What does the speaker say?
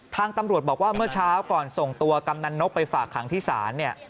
ทางตำรวจบอกว่าเมื่อเช้าก่อนส่งตัวกำนันนกไปฝากขังที่ศาลเนี่ย